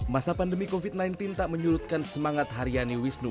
masa pandemi covid sembilan belas tak menyurutkan semangat haryani wisnu